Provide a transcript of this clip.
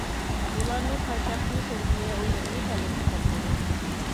ئۇلارنى پايتەختنى كۆرگىلى، ئوينىغىلى كەلدىمىكىن دەپ قالماڭ.